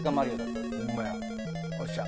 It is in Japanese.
よっしゃ！